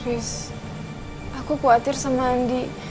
terus aku khawatir sama andi